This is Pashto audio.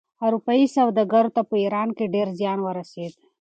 اروپايي سوداګرو ته په ایران کې ډېر زیان ورسېد.